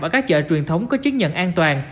ở các chợ truyền thống có chứng nhận an toàn